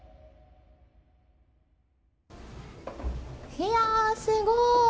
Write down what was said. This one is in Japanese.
いやー、すごい。